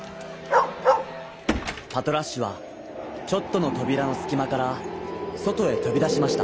パトラッシュはちょっとのとびらのすきまからそとへとびだしました。